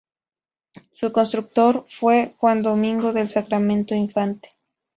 Su constructor fue Juan Domingo del Sacramento Infante.